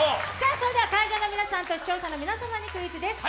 それでは会場の皆さんと視聴者の皆さんにクイズです。